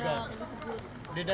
nama bapak kan ada diundang